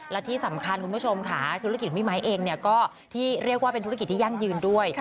และที่สำคัญคุณผู้ชมค่ะธุรกิจของพี่ไม้เองเนี่ยก็ที่เรียกว่าเป็นธุรกิจที่ยั่งยืนด้วย